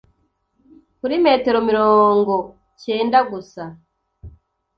kuri metero mirongo cyenda gusa?